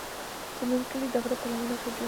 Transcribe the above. زموږ کلی د غره په لمنه کې جوړ شوی دی.